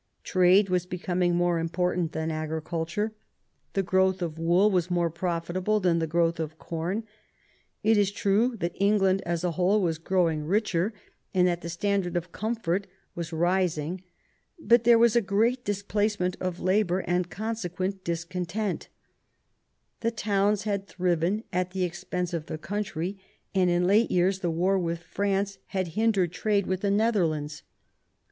Trade was becoming more important than agriculture ; the growth of wool was more profitable than the growth of com. It is true that England as a whole was growing richer, and that the standard of comfort was rising ; but there was a great displacement of labour, and consequent discon tent The towns had thriven at the expense of the country; and in late years the war with France had hindered trade with the Netherlands.